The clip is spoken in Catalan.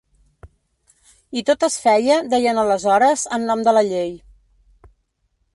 I tot es feia, deien aleshores, en nom de la llei.